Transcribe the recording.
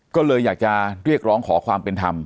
ก็เลยอยากจะเรียกร้องขอความเป็นธรรม